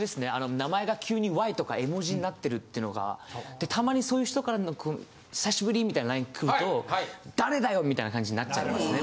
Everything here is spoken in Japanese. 名前が急に「Ｙ」とか絵文字になってるってのがたまにそういう人からの「久しぶり」みたいなＬＩＮＥくると誰だよみたいな感じになっちゃいますね。